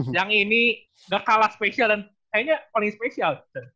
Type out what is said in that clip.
yang ini gak kalah spesial dan kayaknya paling spesial